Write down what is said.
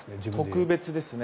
特別ですね。